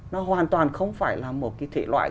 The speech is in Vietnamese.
nó hoàn toàn không phải là một cái thể loại